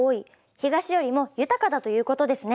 東よりも豊かだということですね。